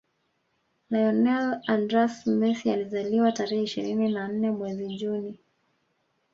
Lionel AndrÃs Messi alizaliwa tarehe ishirini na nne mwezi Juni